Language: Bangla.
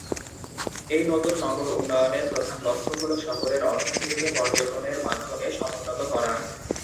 এই নতুন নগর উন্নয়নের প্রধান লক্ষ্য হল শহরের অর্থনীতিকে পর্যটনের মাধ্যমে সমুন্নত করা।